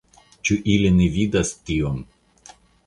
Ĉu ili ne vidas tion.